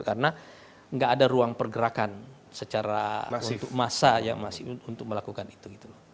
karena enggak ada ruang pergerakan secara untuk masa yang masih untuk melakukan itu